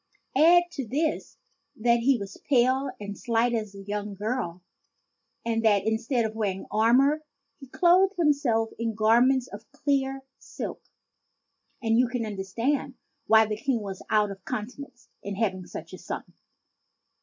Add to this that he was pale and slight as a young girl, and that in stead of wearing armor he clothed himself in garments of clear silk, and you can understand why the King was out of countenance in having such a son.